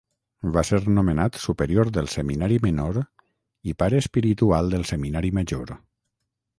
Va ser nomenat superior del seminari menor i pare espiritual del seminari major.